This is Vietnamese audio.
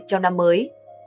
trong năm mới